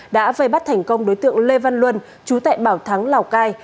đã vây bắt thành công đối tượng lê văn luân chú tại bảo thắng lào cai